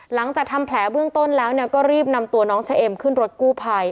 หลังจากทำแผลเบื้องต้นแล้วก็รีบนำตัวน้องเฉเอ็มขึ้นรถกู้ภัย